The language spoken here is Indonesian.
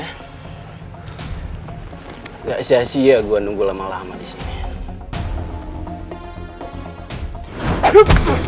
enggak sia sia gue nunggu lama lama disini